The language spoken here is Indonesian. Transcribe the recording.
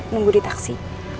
nunggu di taksi